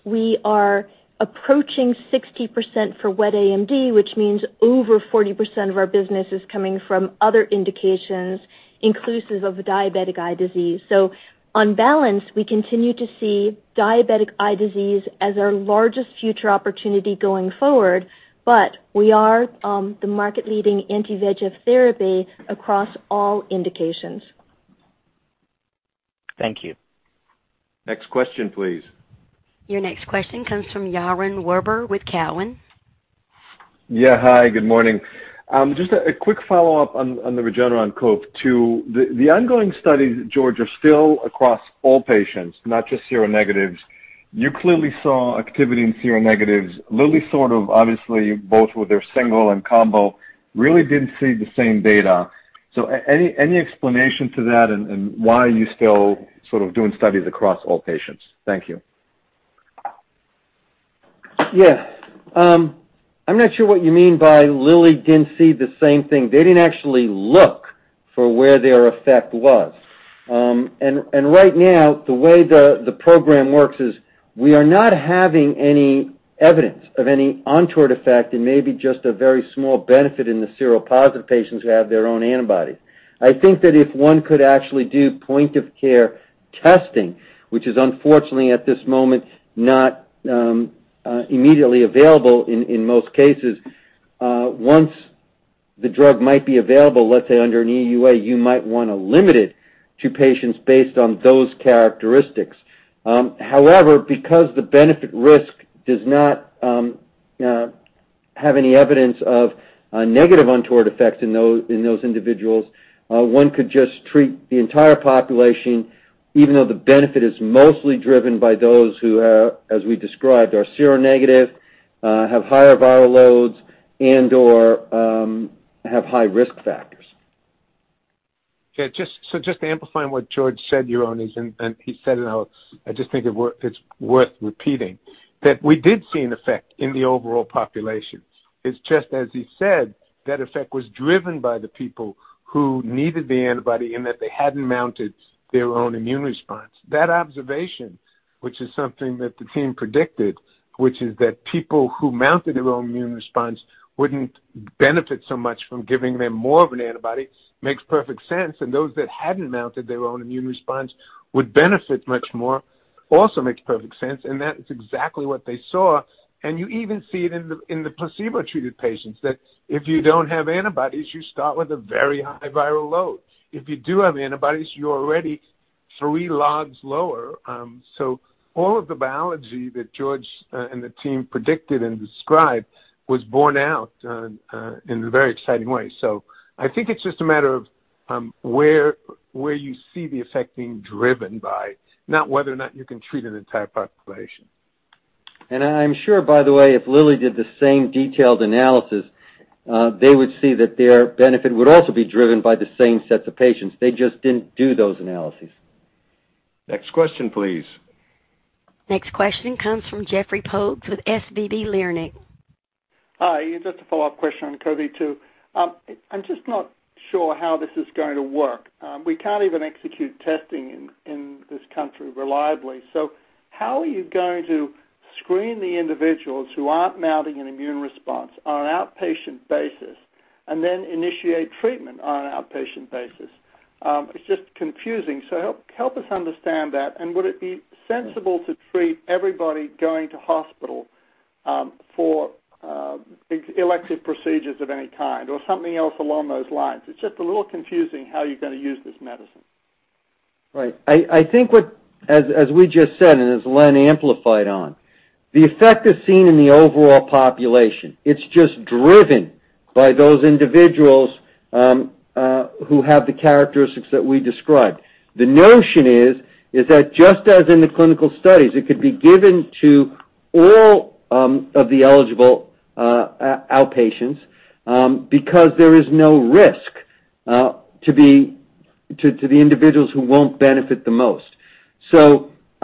we are approaching 60% for wet AMD, which means over 40% of our business is coming from other indications inclusive of diabetic eye disease. On balance, we continue to see diabetic eye disease as our largest future opportunity going forward. We are the market-leading anti-VEGF therapy across all indications.
Thank you.
Next question, please.
Your next question comes from Yaron Werber with Cowen.
Yeah. Hi, good morning. Just a quick follow-up on the REGEN-COV. The ongoing studies, George, are still across all patients, not just seronegatives. You clearly saw activity in seronegatives. Lilly sort of obviously both with their single and combo, really didn't see the same data. Any explanation to that and why you're still sort of doing studies across all patients? Thank you.
Yeah. I'm not sure what you mean by Lilly didn't see the same thing. They didn't actually look for where their effect was. Right now, the way the program works is we are not having any evidence of any untoward effect and maybe just a very small benefit in the seropositive patients who have their own antibody. I think that if one could actually do point-of-care testing, which is unfortunately at this moment, not immediately available in most cases. Once the drug might be available, let's say, under an EUA. You might want to limit it to patients based on those characteristics. However, because the benefit-risk does not have any evidence of negative untoward effects in those individuals, one could just treat the entire population, even though the benefit is mostly driven by those who, as we described, are seronegative, have higher viral loads, and/or have high-risk factors.
Yeah. Just to amplify on what George said, Yaron, and he said it, I just think it's worth repeating, that we did see an effect in the overall population. It's just as he said, that effect was driven by the people who needed the antibody and that they hadn't mounted their own immune response. That observation, which is something that the team predicted, which is that people who mounted their own immune response wouldn't benefit so much from giving them more of an antibody, makes perfect sense, and those that hadn't mounted their own immune response would benefit much more, also makes perfect sense, and that is exactly what they saw. You even see it in the placebo-treated patients, that if you don't have antibodies, you start with a very high viral load. If you do have antibodies, you're already three logs lower. All of the biology that George and the team predicted and described was borne out in a very exciting way. I think it's just a matter of where you see the effect being driven by, not whether or not you can treat an entire population.
I'm sure, by the way, if Lilly did the same detailed analysis, they would see that their benefit would also be driven by the same sets of patients. They just didn't do those analyses.
Next question, please.
Next question comes from Geoffrey Porges with SVB Leerink.
Hi, a follow-up question on REGEN-COV. I'm not sure how this is going to work. We can't even execute testing in this country reliably. How are you going to screen the individuals who aren't mounting an immune response on an outpatient basis and then initiate treatment on an outpatient basis? It's confusing. Help us understand that, and would it be sensible to treat everybody going to hospital for elective procedures of any kind or something else along those lines? It's a little confusing how you're going to use this medicine.
Right. I think as we just said, and as Len amplified on, the effect is seen in the overall population. It's just driven by those individuals who have the characteristics that we described. The notion is that just as in the clinical studies, it could be given to all of the eligible outpatients because there is no risk to the individuals who won't benefit the most.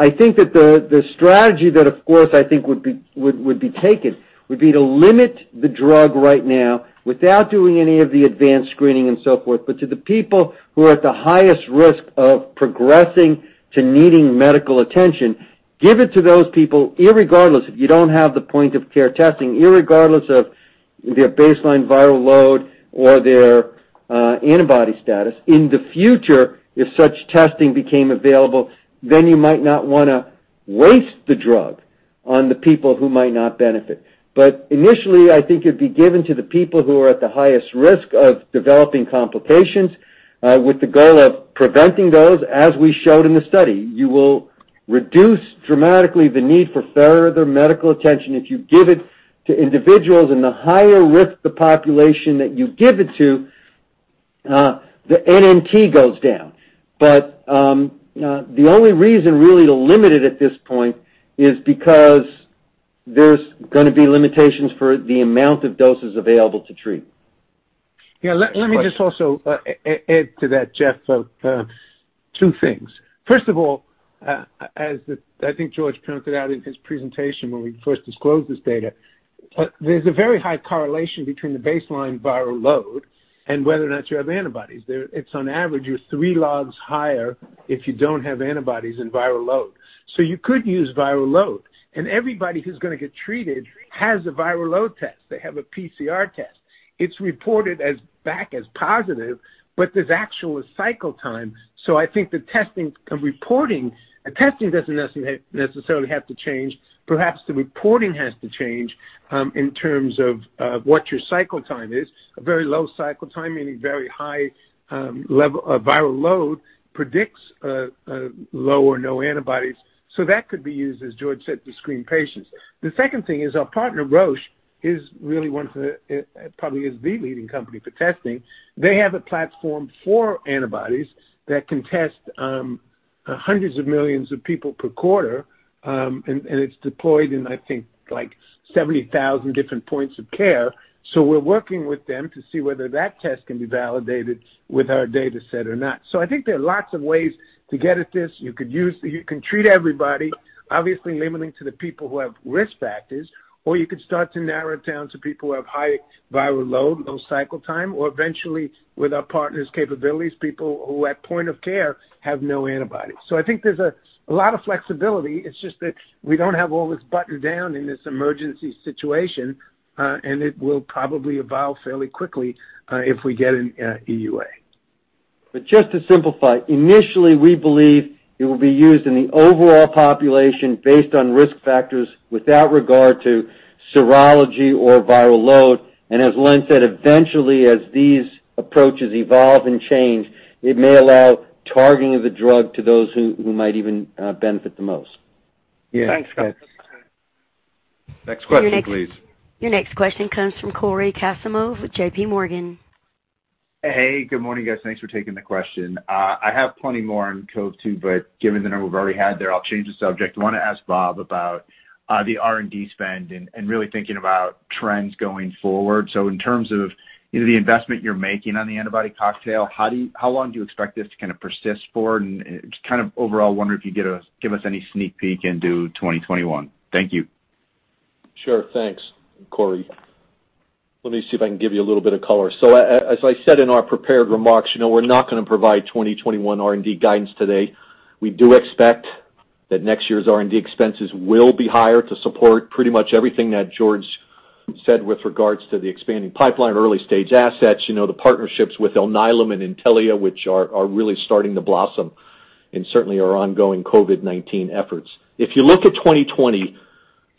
I think that the strategy that, of course, I think would be taken would be to limit the drug right now without doing any of the advanced screening and so forth, but to the people who are at the highest risk of progressing to needing medical attention. Give it to those people irregardless if you don't have the point-of-care testing, irregardless of their baseline viral load or their antibody status. In the future, if such testing became available, then you might not want to waste the drug on the people who might not benefit. Initially, I think it'd be given to the people who are at the highest risk of developing complications with the goal of preventing those, as we showed in the study. You will reduce dramatically the need for further medical attention if you give it to individuals, and the higher risk the population that you give it to, the NNT goes down. The only reason really to limit it at this point is because there's going to be limitations for the amount of doses available to treat.
Yeah, let me just also add to that, Geoffrey, two things. First of all, as I think George pointed out in his presentation when we first disclosed this data, there's a very high correlation between the baseline viral load and whether or not you have antibodies. It's on average you're three logs higher if you don't have antibodies in viral load. You could use viral load, and everybody who's going to get treated has a viral load test. They have a PCR test. It's reported back as positive, but there's actual cycle time. I think the testing and reporting. The testing doesn't necessarily have to change. Perhaps the reporting has to change in terms of what your cycle time is. A very low cycle time, meaning very high level of viral load predicts low or no antibodies. That could be used, as George said, to screen patients. The second thing is our partner, Roche, probably is the leading company for testing. They have a platform for antibodies that can test hundreds of millions of people per quarter, and it's deployed in, I think, like 70,000 different points of care. We're working with them to see whether that test can be validated with our data set or not. I think there are lots of ways to get at this. You can treat everybody, obviously limiting to the people who have risk factors, or you could start to narrow it down to people who have high viral load, low cycle time, or eventually with our partners' capabilities, people who at point of care have no antibodies. I think there's a lot of flexibility. It's just that we don't have all this buttoned down in this emergency situation. It will probably evolve fairly quickly if we get an EUA.
Just to simplify, initially, we believe it will be used in the overall population based on risk factors without regard to serology or viral load. As Len said, eventually, as these approaches evolve and change, it may allow targeting of the drug to those who might even benefit the most.
Thanks, guys.
Next question, please.
Your next question comes from Cory Kasimov with JPMorgan.
Hey, good morning, guys. Thanks for taking the question. I have plenty more on COV2, given the number we've already had there, I'll change the subject. I want to ask Bob about the R&D spend and really thinking about trends going forward. In terms of the investment you're making on the antibody cocktail, how long do you expect this to persist for? Just overall, wonder if you'd give us any sneak peek into 2021. Thank you.
Sure. Thanks, Cory. Let me see if I can give you a little bit of color. As I said in our prepared remarks, we're not going to provide 2021 R&D guidance today. We do expect that next year's R&D expenses will be higher to support pretty much everything that George said with regards to the expanding pipeline, early-stage assets, the partnerships with Alnylam and Intellia, which are really starting to blossom, and certainly our ongoing COVID-19 efforts. If you look at 2020,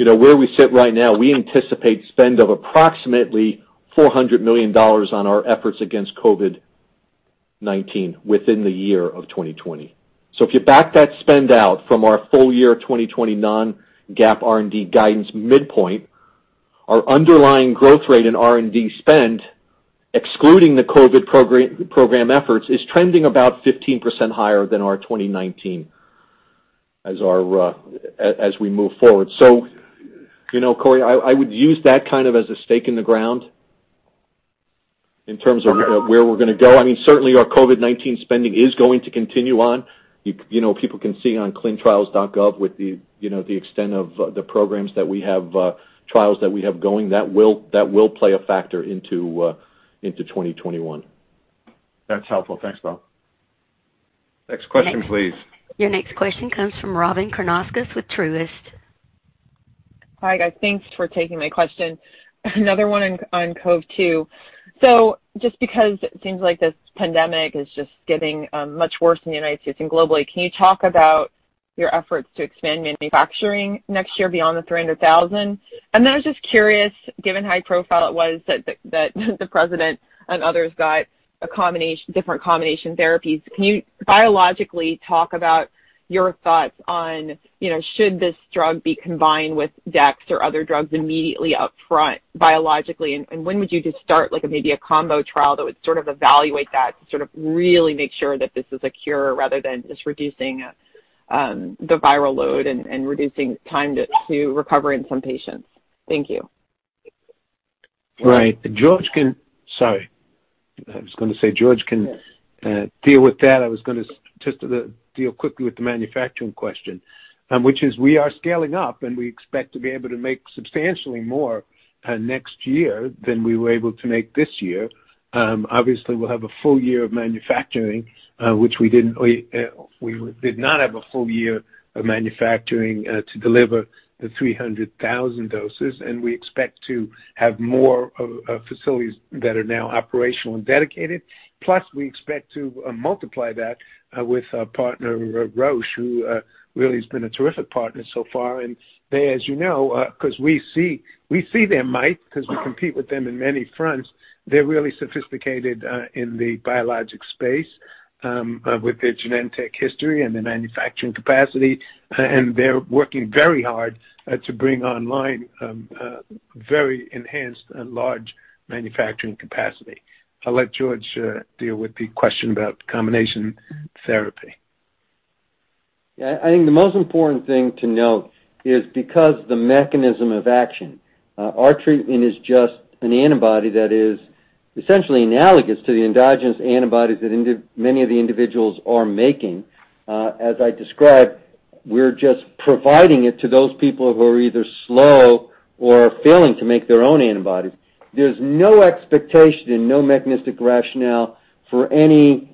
where we sit right now, we anticipate spend of approximately $400 million on our efforts against COVID-19 within the year of 2020. If you back that spend out from our full year 2020 non-GAAP R&D guidance midpoint, our underlying growth rate in R&D spend, excluding the COVID program efforts, is trending about 15% higher than our 2019 as we move forward. Cory, I would use that as a stake in the ground in terms of where we're going to go. Certainly our COVID-19 spending is going to continue on. People can see on clinicaltrials.gov with the extent of the programs that we have, trials that we have going, that will play a factor into 2021.
That's helpful. Thanks, Bob.
Next question, please.
Your next question comes from Robyn Karnauskas with Truist.
Hi, guys. Thanks for taking my question. Another one on COV2. Just because it seems like this pandemic is just getting much worse in the United States and globally, can you talk about your efforts to expand manufacturing next year beyond the 300,000? Then I was just curious, given how high profile it was that the President and others got different combination therapies, can you biologically talk about your thoughts on should this drug be combined with dex or other drugs immediately up front biologically, and when would you just start maybe a combo trial that would sort of evaluate that to sort of really make sure that this is a cure rather than just reducing the viral load and reducing time to recovery in some patients? Thank you.
Right. George can deal with that. I was going to just deal quickly with the manufacturing question, which is we are scaling up, and we expect to be able to make substantially more next year than we were able to make this year. Obviously, we'll have a full year of manufacturing which we did not have a full year of manufacturing to deliver the 300,000 doses, and we expect to have more facilities that are now operational and dedicated. We expect to multiply that with our partner, Roche, who really has been a terrific partner so far. They, as you know, because we see their might because we compete with them in many fronts. They're really sophisticated in the biologic space with their Genentech history and their manufacturing capacity, and they're working very hard to bring online very enhanced and large manufacturing capacity. I'll let George deal with the question about combination therapy.
Yeah, I think the most important thing to note is because the mechanism of action, our treatment is just an antibody that is essentially analogous to the endogenous antibodies that many of the individuals are making. As I described, we're just providing it to those people who are either slow or failing to make their own antibodies. There's no expectation and no mechanistic rationale for any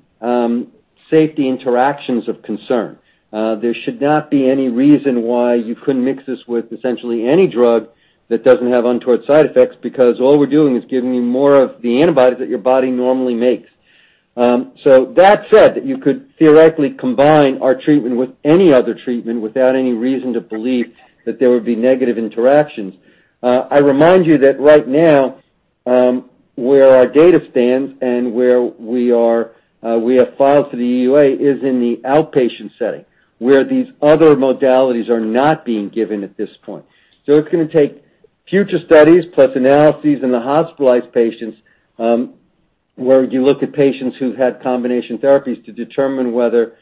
safety interactions of concern. There should not be any reason why you couldn't mix this with essentially any drug that doesn't have untoward side effects, because all we're doing is giving you more of the antibodies that your body normally makes. That said, you could theoretically combine our treatment with any other treatment without any reason to believe that there would be negative interactions. I remind you that right now where our data stands and where we have filed for the EUA is in the outpatient setting where these other modalities are not being given at this point. It's going to take future studies plus analyses in the hospitalized patients, where you look at patients who've had combination therapies to determine whether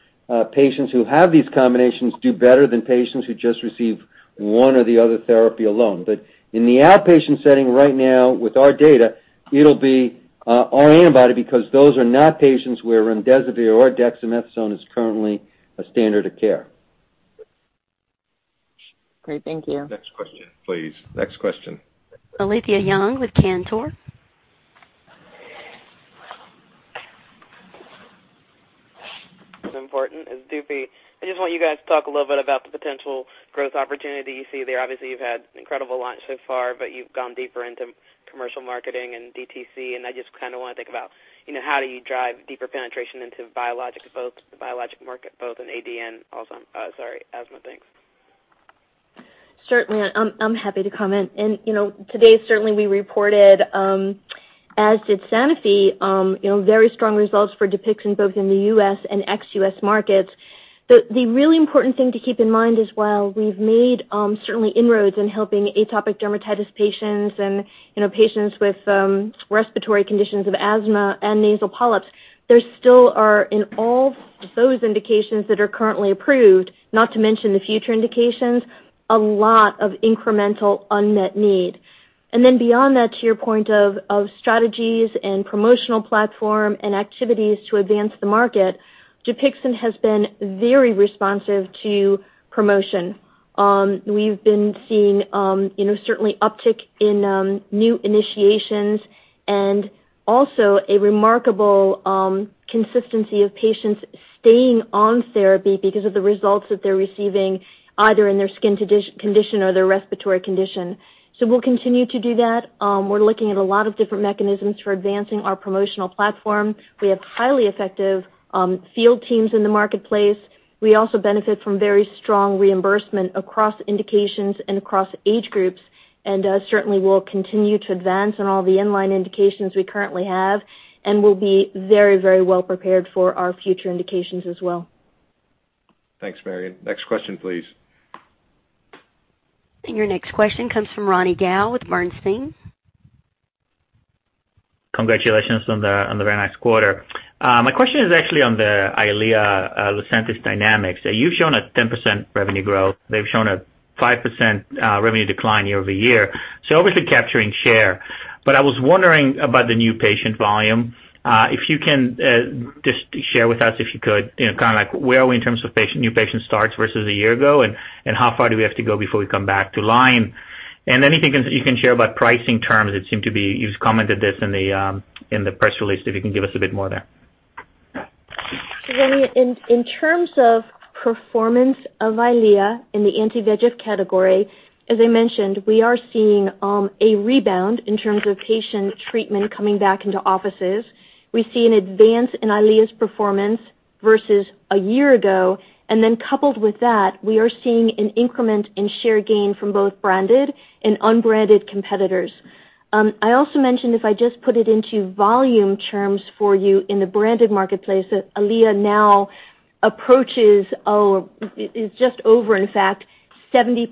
patients who have these combinations do better than patients who just receive one or the other therapy alone. In the outpatient setting right now with our data, it'll be our antibody because those are not patients where remdesivir or dexamethasone is currently a standard of care.
Great. Thank you.
Next question, please. Next question.
Alethia Young with Cantor.
As important as DUPIXENT. I just want you guys to talk a little bit about the potential growth opportunity you see there. Obviously, you've had incredible launch so far, but you've gone deeper into commercial marketing and DTC. I just kind of want to think about how do you drive deeper penetration into both the biologic market, both in AD and also in asthma. Thanks.
Certainly, I'm happy to comment. Today, certainly, we reported, as did Sanofi, very strong results for DUPIXENT both in the U.S. and ex-U.S. markets. The really important thing to keep in mind is while we've made certainly inroads in helping atopic dermatitis patients and patients with respiratory conditions of asthma and nasal polyps, there still are, in all of those indications that are currently approved, not to mention the future indications, a lot of incremental unmet need. Beyond that, to your point of strategies and promotional platform and activities to advance the market, DUPIXENT has been very responsive to promotion. We've been seeing certainly uptick in new initiations and also a remarkable consistency of patients staying on therapy because of the results that they're receiving either in their skin condition or their respiratory condition. We'll continue to do that. We're looking at a lot of different mechanisms for advancing our promotional platform. We have highly effective field teams in the marketplace. We also benefit from very strong reimbursement across indications and across age groups, and certainly we'll continue to advance on all the inline indications we currently have, and we'll be very well prepared for our future indications as well.
Thanks, Marion. Next question, please.
Your next question comes from Ronny Gal with Bernstein.
Congratulations on the very nice quarter. My question is actually on the EYLEA Lucentis dynamics. You've shown a 10% revenue growth. They've shown a 5% revenue decline year-over-year, so obviously capturing share. I was wondering about the new patient volume. If you can just share with us, if you could, where are we in terms of new patient starts versus a year ago, and how far do we have to go before we come back to line? Anything you can share about pricing terms, you've commented this in the press release, if you can give us a bit more there.
Ronny, in terms of performance of EYLEA in the anti-VEGF category, as I mentioned, we are seeing a rebound in terms of patient treatment coming back into offices. We see an advance in EYLEA's performance versus a year ago, and then coupled with that, we are seeing an increment in share gain from both branded and unbranded competitors. I also mentioned if I just put it into volume terms for you in the branded marketplace, that EYLEA now approaches, is just over in fact, 70%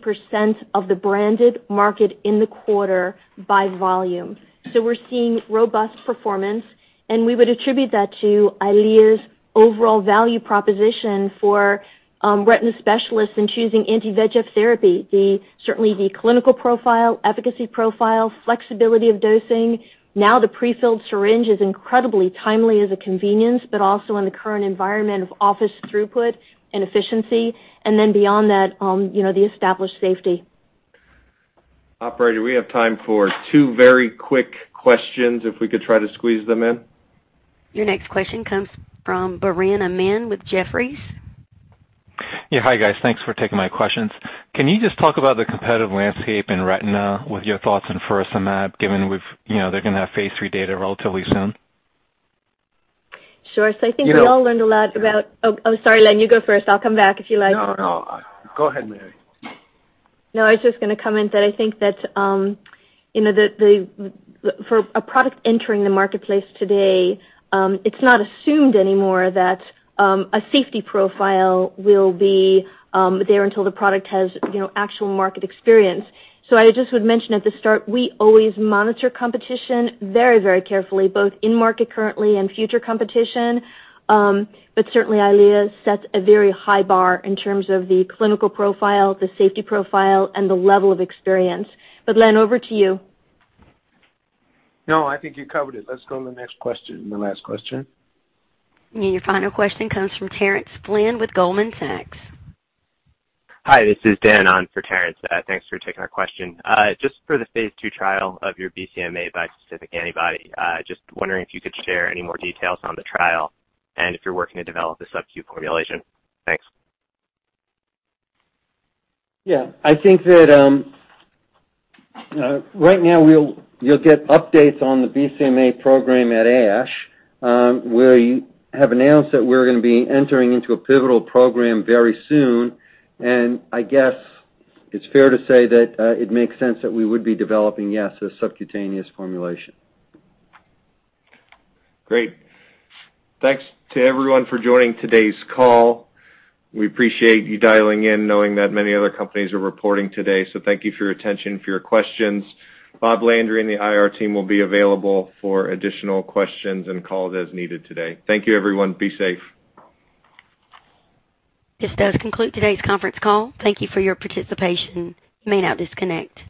of the branded market in the quarter by volume. We're seeing robust performance, and we would attribute that to EYLEA's overall value proposition for retina specialists in choosing anti-VEGF therapy. Certainly, the clinical profile, efficacy profile, flexibility of dosing. Now the prefilled syringe is incredibly timely as a convenience, but also in the current environment of office throughput and efficiency. Beyond that, the established safety.
Operator, we have time for two very quick questions, if we could try to squeeze them in.
Your next question comes from Biren Amin with Jefferies.
Yeah. Hi, guys. Thanks for taking my questions. Can you just talk about the competitive landscape in retina with your thoughts on faricimab, given they're going to have phase III data relatively soon?
Sure. I think we all learned a lot about. Oh, sorry, Len. You go first. I will come back if you like.
No, go ahead, Marion.
I was just going to comment that I think that for a product entering the marketplace today, it's not assumed anymore that a safety profile will be there until the product has actual market experience. I just would mention at the start, we always monitor competition very carefully, both in market currently and future competition. Certainly EYLEA sets a very high bar in terms of the clinical profile, the safety profile, and the level of experience. Len, over to you.
No, I think you covered it. Let's go to the next question, the last question.
Your final question comes from Terence Flynn with Goldman Sachs.
Hi, this is Dan on for Terence. Thanks for taking our question. Just for the phase II trial of your BCMA bispecific antibody, just wondering if you could share any more details on the trial and if you're working to develop a subcu formulation. Thanks.
Yeah. I think that right now you'll get updates on the BCMA program at ASH, where you have announced that we're going to be entering into a pivotal program very soon, and I guess it's fair to say that it makes sense that we would be developing, yes, a subcutaneous formulation.
Great. Thanks to everyone for joining today's call. We appreciate you dialing in knowing that many other companies are reporting today. Thank you for your attention, for your questions. Robert Landry and the IR team will be available for additional questions and calls as needed today. Thank you, everyone. Be safe.
This does conclude today's conference call. Thank you for your participation. You may now disconnect.